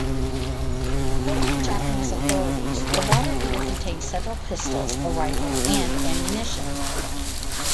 According to Japanese authorities, the water heater contained several pistols, a rifle, and ammunition.